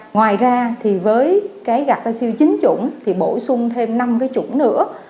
ngoài ra thì với cái gạt ra siêu chín chủng thì bổ sung thêm năm cái chủng nữa